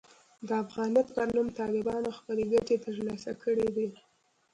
د افغانیت پر نوم طالبانو خپلې ګټې ترلاسه کړې دي.